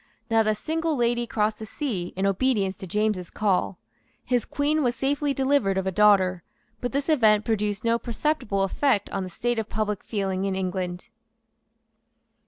Not a single lady crossed the sea in obedience to James's call. His Queen was safely delivered of a daughter; but this event produced no perceptible effect on the state of public feeling in England.